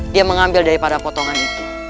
dia mengambil daripada potongan itu